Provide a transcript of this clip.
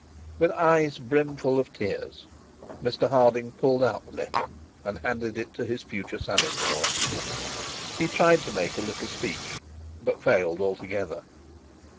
With eyes brim full of tears, Mr Harding pulled out the letter and handed it to his future son in law. He tried to make a little speech, but failed altogether.